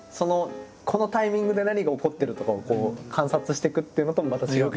このタイミングで何が起こってるとかを観察していくっていうのともまた違う？